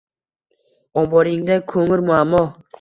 Omboringda koʼmir muammo